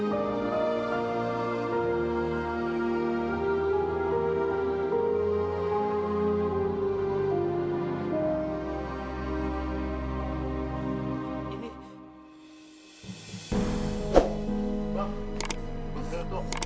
saya mohon lepaskan dia